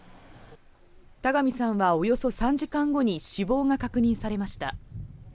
田上さんはおよそ３時間後に死亡が確認されました。